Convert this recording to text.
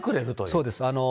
そうです。